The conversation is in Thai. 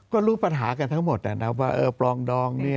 ก็รู้ปัญหากันทั้งหมดนะว่าเออปลองดองเนี่ย